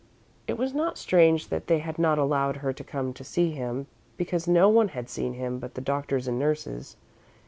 It was not strange that they had not allowed her to come to see him, because no one had seen him but the doctors and nurses.